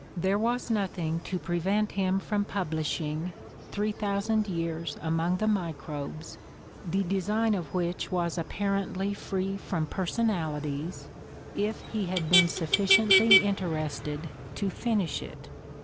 There was nothing to prevent him from publishing "3000 Years Among the Microbes," the design of which was apparently free from personalities, if he had been sufficiently inter ested to finish it.